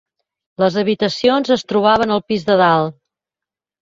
Les habitacions es trobaven al pis de dalt.